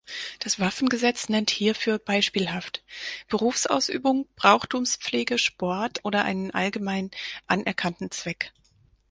Das Waffengesetz nennt hierfür beispielhaft: Berufsausübung, Brauchtumspflege, Sport oder einen allgemein anerkannten Zweck.